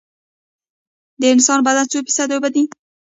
د انسان بدن څو فیصده اوبه دي؟